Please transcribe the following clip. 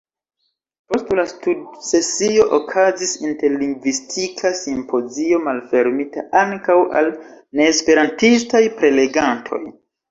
Post la studsesio okazis interlingvistika simpozio, malfermita ankaŭ al neesperantistaj prelegantoj.